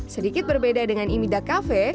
sedikit berbeda dengan imida kafe